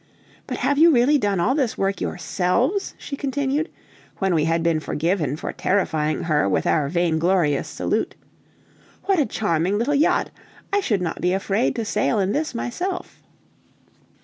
But have you really done all this work yourselves?" she continued, when we had been forgiven for terrifying her with our vainglorious salute. "What a charming little yacht! I should not be afraid to sail in this myself."